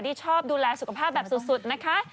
ที่ชอบดูแลสุขภาพแบบสุดนะคะ